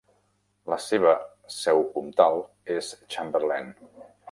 La seva seu comtal és Chamberlain.